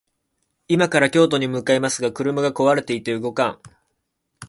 今から京都に向かいますが、車が壊れていて動かん